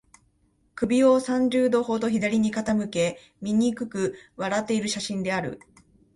首を三十度ほど左に傾け、醜く笑っている写真である